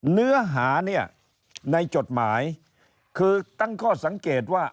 เนื้อหาเนี่ยในจดหมายคือตั้งข้อสังเกตว่า